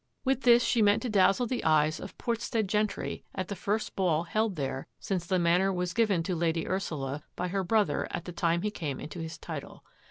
With this she meant to dazzle the eyes of Port stead gentry at the first ball held there since the Manor was given to Lady Ursula by her brother at the time he came into his title.